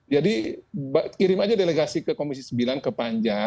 jadi kirim aja delegasi ke komisi sembilan ke panja